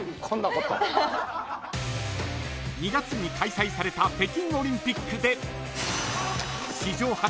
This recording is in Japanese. ［２月に開催された北京オリンピックで］